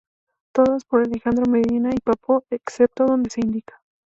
Todas por Alejandro Medina y Pappo, excepto donde se indica.